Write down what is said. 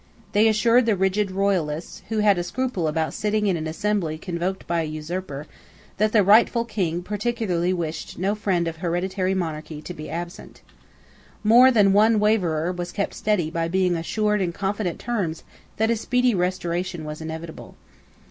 They assured the rigid royalists, who had a scruple about sitting in an assembly convoked by an usurper, that the rightful King particularly wished no friend of hereditary monarchy to be absent. More than one waverer was kept steady by being assured in confident terms that a speedy restoration was inevitable.